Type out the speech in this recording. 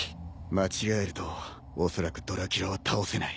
間違えるとおそらくドラキュラは倒せない。